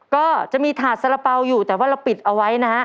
ก็จะมีถาดสาระเป๋าอยู่แต่ว่าเราปิดเอาไว้นะฮะ